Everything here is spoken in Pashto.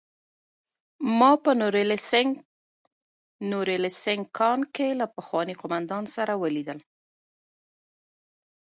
ما په نوریلیسک کان کې له پخواني قومندان سره ولیدل